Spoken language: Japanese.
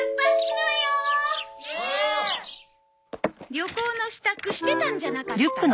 旅行の支度してたんじゃなかったの？